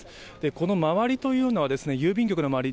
この周りというのはですね、郵便局の周り